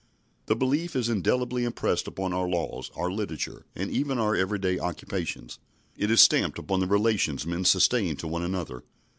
The belief is indelibly impressed upon our laws, our literature, and even our everyday occupations. It is stamped upon the relations men sustain to one another.